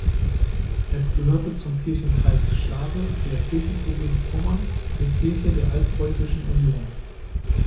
Es gehörte zum Kirchenkreis Schlawe der Kirchenprovinz Pommern der Kirche der Altpreußischen Union.